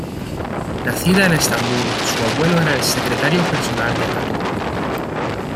Nacida en Estambul, su abuelo era el secretario personal de Atatürk.